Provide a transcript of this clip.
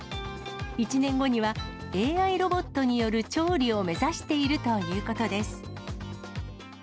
１年後には、ＡＩロボットによる調理を目指しているということです。